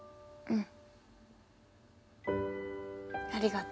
うん。